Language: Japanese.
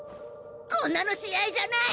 こんなの試合じゃない！！